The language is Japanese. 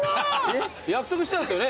約束してたんですよね？